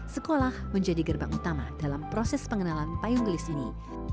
sekolah menjadi gerbang utama dalam proses pengenalan payung gelis ini